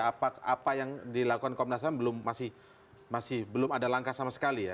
apa yang dilakukan komnas sama belum masih masih belum ada langkah sama sekali ya